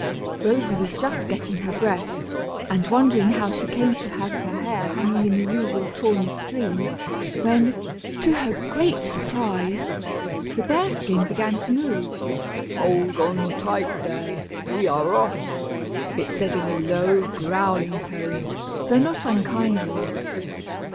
Rosy was just getting her breath, and wondering how she came to have her hair hanging in the usual tawny stream, when, to her great surprise, the bear skin began to move. "Hold on tight there. We are off," it said, in a low growling tone, though not unkindly.